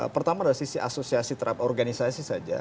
pertama dari sisi asosiasi terhadap organisasi saja